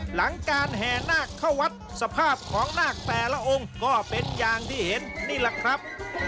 หลังการแห่นาคเข้าวัดสภาพของนาคแต่ละองค์ก็เป็นอย่างที่เห็นนี่แหละครับ